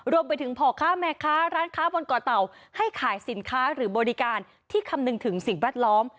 รวมไปถึงพ่อค้าแม่ค้าร้านค้าบนก่อเต่าให้ขายสินค้าหรือบริการที่คำนึงถึงสิ่งแวดล้อม